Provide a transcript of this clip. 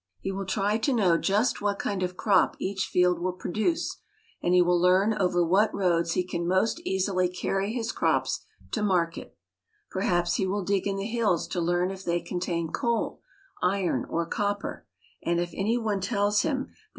He will try to know just what kind of crop each field will produce, and he will learn over what roads he can most easily carry his crops to mar ket Perhaps he will dig in the hills to learn if they con tain coal, iron, or copper; and if any one tells him there lO NORTH AMERICA.